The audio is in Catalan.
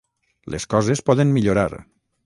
Les coses poden millorar.